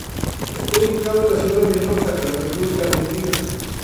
Está ubicado en la Ciudad de Mendoza, en la República Argentina.